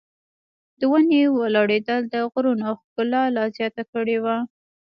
د ونې ولاړېدل د غرونو ښکلا لا زیاته کړې وه.